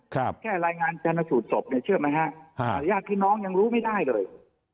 แค่รายงานชนสูตรศพเนี่ยเชื่อไหมฮะญาติพี่น้องยังรู้ไม่ได้เลย